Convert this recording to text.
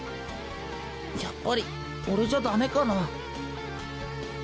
やっぱり俺じゃだめかな？